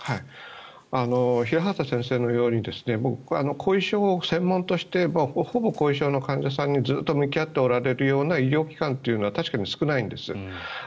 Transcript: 平畑先生のように後遺症を専門としてほぼ後遺症の患者さんにずっと向き合っておられるような医療機関というのは確かに少ないんです。